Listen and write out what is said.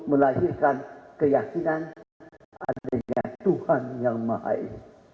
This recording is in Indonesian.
melahirkan keyakinan adanya tuhan yang maha ini